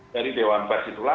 jadi dewan pers itulah